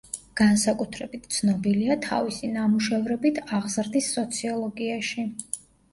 განსაკუთრებით ცნობილია თავისი ნამუშევრებით აღზრდის სოციოლოგიაში.